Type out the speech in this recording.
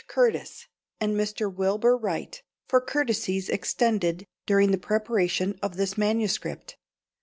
Curtiss and Mr. Wilbur Wright for courtesies extended during the preparation of this manuscript.